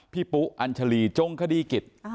ปุ๊อัญชาลีจงคดีกิจ